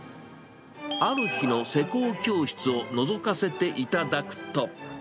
ある日の施工教室をのぞかせていただくと。